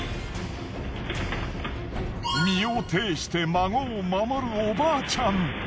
身をていして孫を守るおばあちゃん。